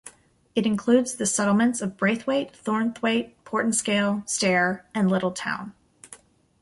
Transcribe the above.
It includes the settlements of Braithwaite, Thornthwaite, Portinscale, Stair and Little Town.